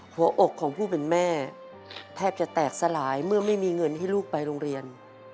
หัวอกของผู้เป็นแม่แทบจะแตกสลายเมื่อไม่มีเงินให้ลูกไปโรงเรียน